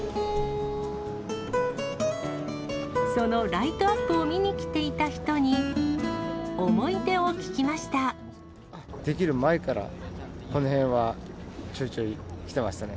そのライトアップを見に来ていた出来る前から、この辺はちょいちょい来てましたね。